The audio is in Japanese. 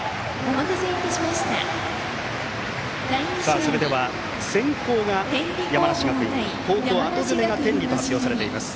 それでは、先攻が山梨学院後攻、後攻めが天理と発表されています。